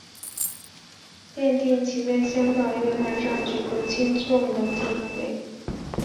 奠定其在香港乐坛上举足轻重的地位。